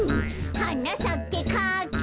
「はなさけかき」